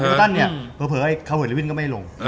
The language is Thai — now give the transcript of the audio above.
ไอพอตันเนี่ยเผลอไอเขาเฮลวินก็ไม่ลง